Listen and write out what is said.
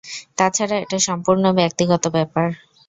তাছাড়া এটা সম্পূর্ণ ব্যক্তিগত ব্যাপার।